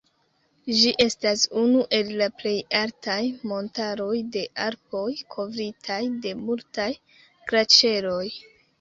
Ĝi estas unu el la plej altaj montaroj de Alpoj, kovritaj de multaj glaĉeroj.